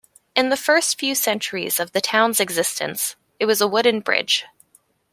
In the first few centuries of the town's existence, it was a wooden bridge.